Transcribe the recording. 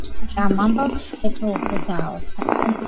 ამ ამბავმა ქეთო უფრო გააოცა .